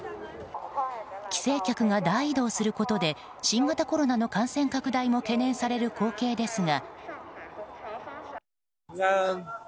帰省客が大移動することで新型コロナの感染拡大も懸念される光景ですが。